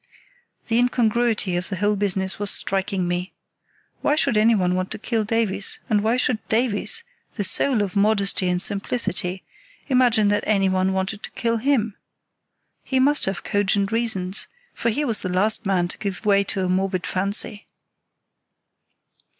The incongruity of the whole business was striking me. Why should anyone want to kill Davies, and why should Davies, the soul of modesty and simplicity, imagine that anyone wanted to kill him? He must have cogent reasons, for he was the last man to give way to a morbid fancy.